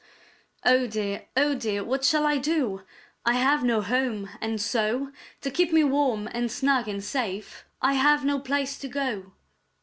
"Oh dear, oh dear! What shall I do? I have no home, and so To keep me warm and snug and safe I have no place to go!"